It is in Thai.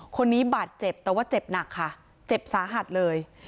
คนนี้บาดเจ็บแต่ว่าเจ็บหนักค่ะเจ็บสาหัสเลย